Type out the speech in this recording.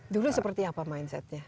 dulu seperti apa mindsetnya